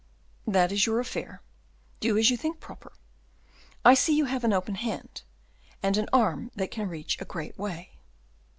"That is your affair; do as you think proper. I see you have an open hand, and an arm that can reach a great way."